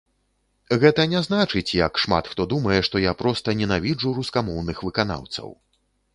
Гэта не значыць, як шмат хто думае, што я проста ненавіджу рускамоўных выканаўцаў.